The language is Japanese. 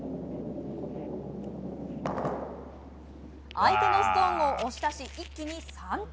相手のストーンを押し出し一気に３点。